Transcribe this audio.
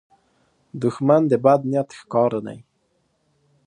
دښمن د بد نیت ښکار دی